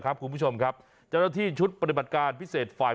แบบนี้คือแบบนี้คือแบบนี้คือแบบนี้คือแบบนี้คือ